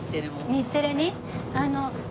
日テレも。